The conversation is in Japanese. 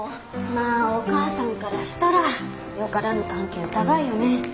まあお母さんからしたらよからぬ関係疑うよね。